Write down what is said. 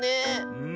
うん。